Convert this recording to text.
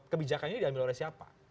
kebijakannya diambil oleh siapa